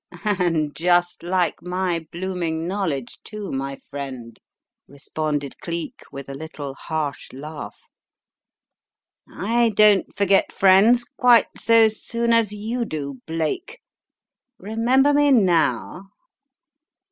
"And just like my blooming knowledge, too, my friend," responded Cleek with a little harsh laugh. 270 The Riddle of the Purple Emperor "I don't forget friends quite so soon as you do, Blake. Remember me now?"